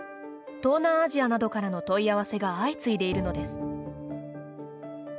東南アジアなどからの問い合わせが相次いでいるのです。